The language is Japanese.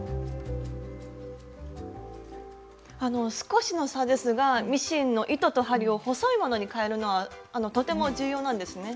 あの少しの差ですがミシンの糸と針を細いものにかえるのはとても重要なんですね。